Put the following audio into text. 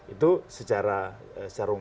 itu secara umum